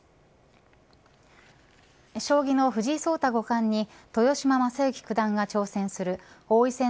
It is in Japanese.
将棋の藤井聡太五冠に豊島将之九段が挑戦する王位戦